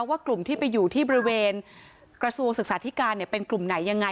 ว่ากลุ่มที่ไปอยู่ที่บริเวณกระทรวงศึกษาธิการเป็นกลุ่มไหนยังไง